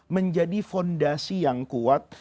menjadi fondasi yang kuat